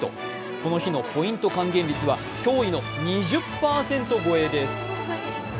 この日のポイント還元率は驚異の２０％超えです。